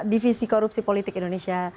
divisi korupsi politik indonesia